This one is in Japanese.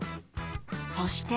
そして。